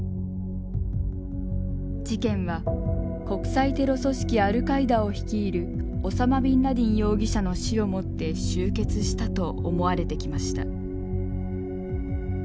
事件は国際テロ組織アルカイダを率いるオサマ・ビンラディン容疑者の死をもって終結したと思われてきました。